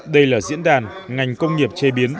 đây là diễn đàn ngành công nghiệp chế biến